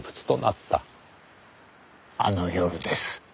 あの夜です